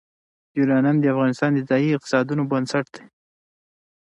یورانیم د افغانستان د ځایي اقتصادونو بنسټ دی.